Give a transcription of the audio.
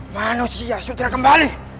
manusia sutra kembali